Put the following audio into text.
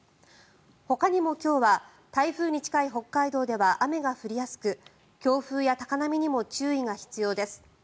ほかにも今日は台風に近い北海道では雨が降りやすく強風や高波にも注意が必要です。